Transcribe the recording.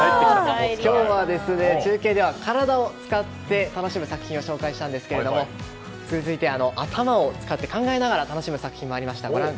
今日は中継では体を使って楽しむ作品を紹介したんですが続いては、頭を使って考えながら楽しむ作品もありました。